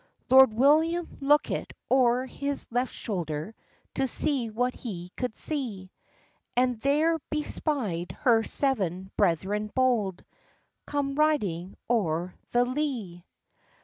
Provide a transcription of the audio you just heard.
Lord William lookit o'er his left shoulder, To see what he could see, And there be spy'd her seven brethren bold, Come riding o'er the lee.